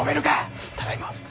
ただいま。